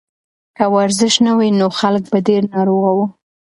که ورزش نه وای نو خلک به ډېر ناروغه وو.